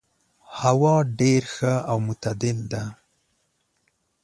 هوا ډېر ښه او معتدل ده.